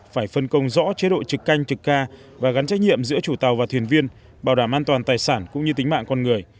phải phân công rõ chế độ trực canh trực ca và gắn trách nhiệm giữa chủ tàu và thuyền viên bảo đảm an toàn tài sản cũng như tính mạng con người